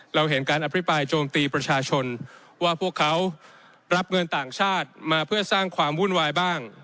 เราเห็นการอภิปรายโจมตีประชาชนว่าพวกเขารับเงินต่างชาติมาเพื่อสร้างความวุ่นวายบ้าง